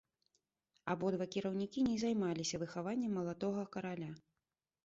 Абодва кіраўнікі не займаліся выхаваннем маладога караля.